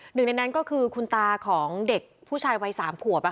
หนึ่งในนั้นก็คือคุณตาของเด็กผู้ชายวัย๓ขวบ